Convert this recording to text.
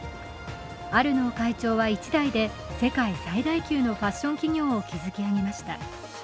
アルノー会長は一代で世界最大級のファッション企業を築き上げました。